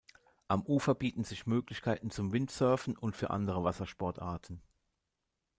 Am Ufer bieten sich Möglichkeiten zum Windsurfen und für andere Wassersportarten.